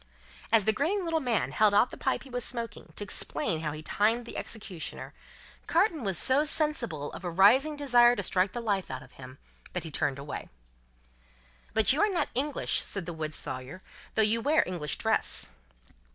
As the grinning little man held out the pipe he was smoking, to explain how he timed the executioner, Carton was so sensible of a rising desire to strike the life out of him, that he turned away. "But you are not English," said the wood sawyer, "though you wear English dress?"